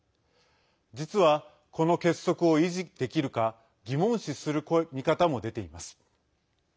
実は、この結束を維持できるか疑問視する見方も出ています。